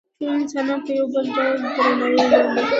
ټول انسانان په یو ډول د درناوي وړ دي.